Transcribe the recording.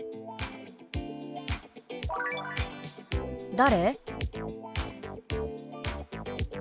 「誰？」。